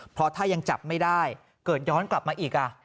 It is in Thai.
เพราะถ้ายังจับไม่ได้เกิดย้อนกลับมาอีก